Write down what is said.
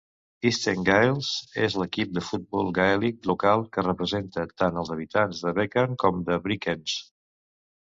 Eastern Gaels és l'equip de futbol gaèlic local que representa tant els habitants de Bekan com de Brickens.